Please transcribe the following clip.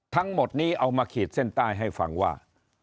ทั้งหมดนี้เอามาขีดเส้นใต้ให้ฟังว่า